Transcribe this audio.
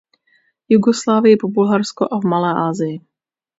Jugoslávii po Bulharsko a v Malé Asii.